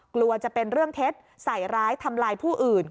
กลัวจะเป็นเรื่องเท็จใส่ร้ายทำลายผู้อื่น